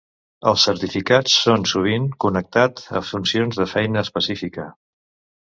Els certificats són sovint connectat a funcions de feina específica.